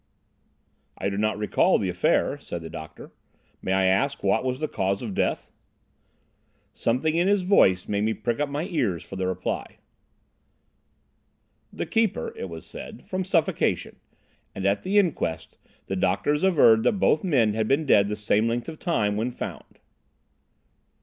"I do not recall the affair," said the doctor. "May I ask what was the cause of death?" Something in his voice made me prick up my ears for the reply. "The keeper, it was said, from suffocation. And at the inquest the doctors averred that both men had been dead the same length of time when found."